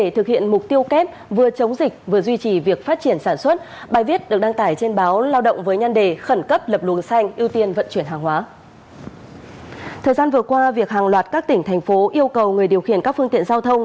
thời gian vừa qua việc hàng loạt các tỉnh thành phố yêu cầu người điều khiển các phương tiện giao thông